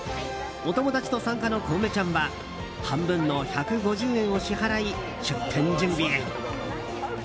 お友達と参加のこうめちゃんは半分の１５０円を支払い出店準備へ。